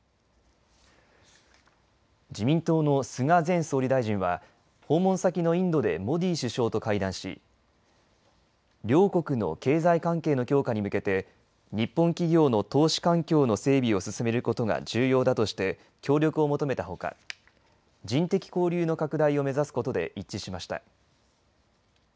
自民党の菅前総理大臣は訪問先のインドでモディ首相と会談し両国の経済関係の強化に向けて日本企業の投資環境の整備を進めることが重要だとして協力を求めたほか人的交流の拡大を目指すことで一致しました。